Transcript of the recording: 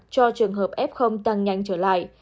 cho trường hợp f tăng nhanh trở lại